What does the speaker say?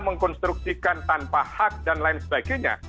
mengkonstruksikan tanpa hak dan lain sebagainya